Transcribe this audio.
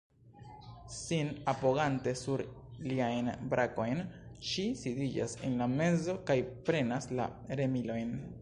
Sin apogante sur liajn brakojn, ŝi sidiĝas en la mezo kaj prenas la remilojn.